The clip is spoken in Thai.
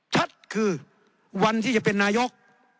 ชัดคือวันที่จะเป็นนายก